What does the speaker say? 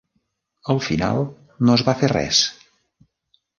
Al final no es va fer res.